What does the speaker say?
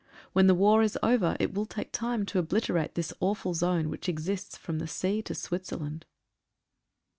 When the war is over it will take time to obliterate this awful zone which exists from the sea to Switzerland.